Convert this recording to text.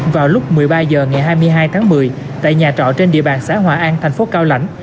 vào lúc một mươi ba h ngày hai mươi hai tháng một mươi tại nhà trọ trên địa bàn xã hòa an thành phố cao lãnh